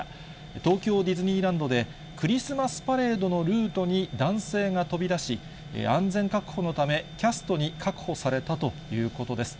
東京ディズニーランドで、クリスマスパレードのルートに男性が飛び出し、安全確保のため、キャストに確保されたということです。